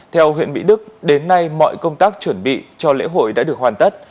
theo huyện mỹ đức đến nay mọi công tác chuẩn bị cho lễ hội đã được hoàn tất